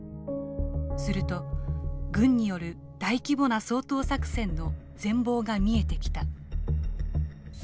すると軍による大規模な掃討作戦の全貌が見えてきた。